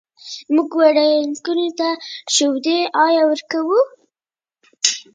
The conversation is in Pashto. آیا او پرې عمل وشي؟